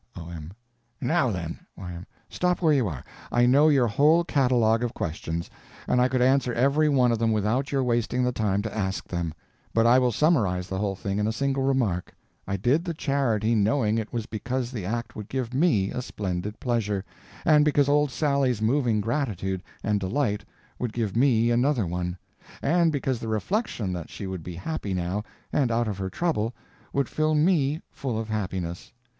O.M. Now, then— Y.M. Stop where you are! I know your whole catalog of questions, and I could answer every one of them without your wasting the time to ask them; but I will summarize the whole thing in a single remark: I did the charity knowing it was because the act would give _me _a splendid pleasure, and because old Sally's moving gratitude and delight would give _me _another one; and because the reflection that she would be happy now and out of her trouble would fill _me _full of happiness.